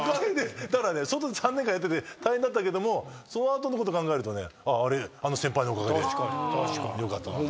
だからね外で３年間やってて大変だったけどもその後のこと考えるとねあああれあの先輩のおかげでよかったなと。